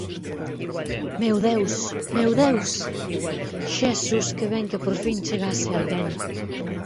Meu Deus! Meu Deus! Xesús, que ben que por fin chegase alguén.